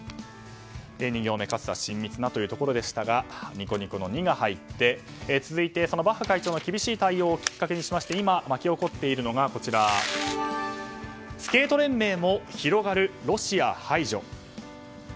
２行目親密なというところでしたがニコニコの「ニ」が入って続いてバッハ会長の厳しい対応をきっかけにしまして今、巻き起こっているのがスケート連盟も広がるロシア排除。